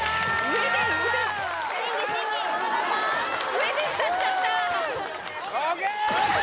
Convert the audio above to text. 上で歌っちゃったＯＫ！